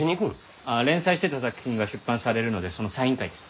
連載してた作品が出版されるのでそのサイン会です。